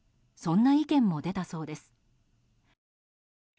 そんな意見も出たそうです。